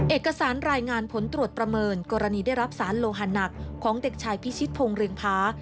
เอกสารรายงานผลตรวจประเมินกรณีได้รับสารโลหะหนักของเด็กชายพิชิตพงศ์เรืองพา